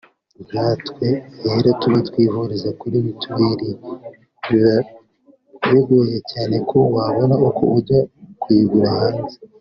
nkatwe rero tuba twivuriza kuri Mutuel biba bigoye cyane ko wabona uko ujya kuyigura hanze